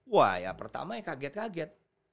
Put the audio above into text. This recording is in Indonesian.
wah ya pertama ya kaget kaget